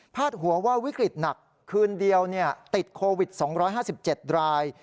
หัวว่าวิกฤตหนักคืนเดียวติดโควิด๒๕๗ราย